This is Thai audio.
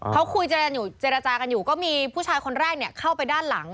เขาคุยเจรจากันอยู่ก็มีผู้ชายคนแรกเนี่ยเข้าไปด้านหลัง